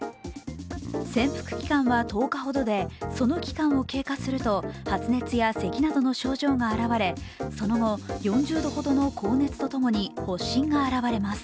潜伏期間は１０日ほどでその期間を経過すると発熱やせきなどの症状が現れ、その後、４０度ほどの高熱とともに発疹が現れます。